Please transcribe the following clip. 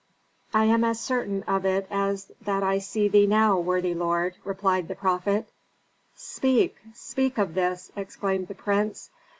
'" "I am as certain of it as that I see thee now, worthy lord," replied the prophet. "Speak, speak of this!" exclaimed the prince.